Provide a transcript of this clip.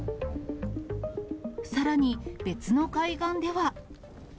さらに、別の海岸では。